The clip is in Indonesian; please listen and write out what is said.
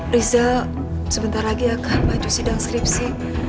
riza sebentar lagi akan maju sidang skripsi